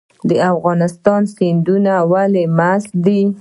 د افغانستان سیندونه ولې مست دي؟